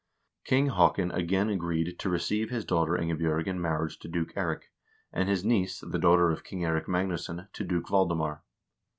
King Haakon again agreed to give his daughter Ingebj0rg in marriage to Duke Eirik, and his niece, the daughter of King Eirik Magnusson, to Duke Valdemar.